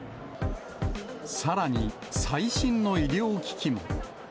さらに、最新の医療機器も。